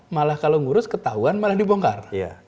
malah kalau ngurus ketahuan malah dibongkar